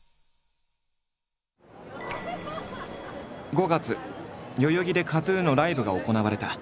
５月代々木でＫＡＴ−ＴＵＮのライブが行われた。